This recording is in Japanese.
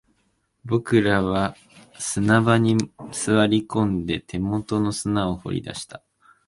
僕らは砂場に座り込んで、手元の砂を掘り出した